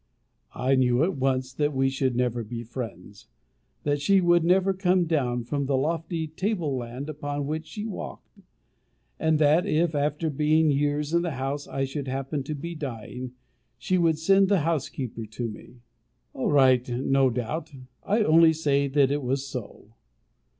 I knew at once that we should never be friends; that she would never come down from the lofty table land upon which she walked; and that if, after being years in the house, I should happen to be dying, she would send the housekeeper to me. All right, no doubt; I only say that it was so.